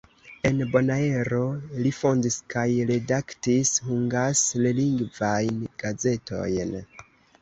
En Bonaero li fondis kaj redaktis hungasrlingvajn gazetojn.